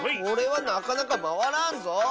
これはなかなかまわらんぞ。